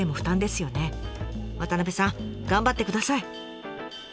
渡さん頑張ってください。